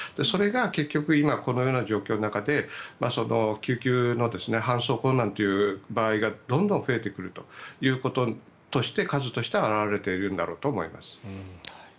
それが結局今このような状況の中で救急搬送が困難という場合がどんどん増えてくるというところの数としては表れていると思います。